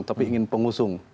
tapi ingin pengusung